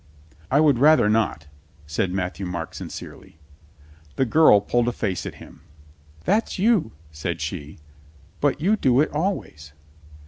"I would rather not," said Matthieu Marc sin cerely. The girl pulled a face at him. "That's you," said she. "But you do it always."